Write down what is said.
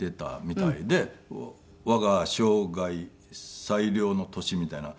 「我が生涯最良の年」みたいな。